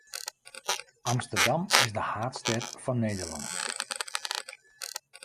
Amsterdam is de haadstêd fan Nederlân.